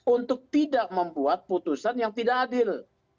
untuk tidak membuat putusan yang tidak adil